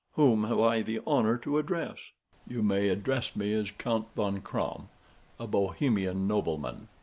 Whom have I the honor to address?" "You may address me as the Count von Kramm, a Bohemian nobleman.